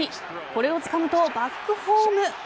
これをつかむとバックホーム。